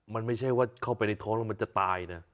มันไม่ใช่ว่าเข้าไปในท้องแล้วมันจะตายนะ